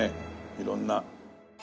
色んな。